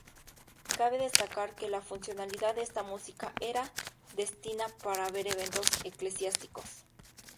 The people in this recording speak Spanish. Cabe destacar que la funcionalidad de esta música era destina para eventos eclesiásticos.